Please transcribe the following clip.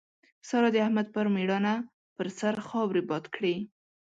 سارا د احمد پر ميړانه پر سر خاورې باد کړې.